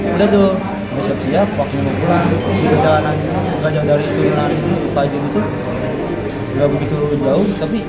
udah tuh siap siap waktu pulang jalanan seganjang dari tuhan itu pagi itu enggak begitu jauh tapi